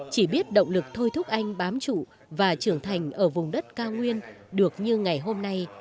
chỉ biết động lực thôi thúc anh bám trụ và trưởng thành ở vùng đất cao nguyên được như ngày hôm nay